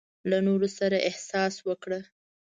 له نورو سره احسان وکړه.